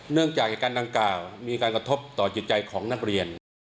เนื่องจากเหตุการณ์ดังกล่าวมีการกระทบต่อจิตใจของนักเรียน